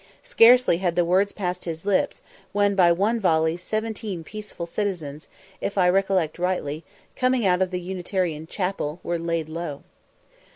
Scarcely had the words passed his lips, when by one volley seventeen peaceful citizens (if I recollect rightly), coming out of the Unitarian chapel, were laid low.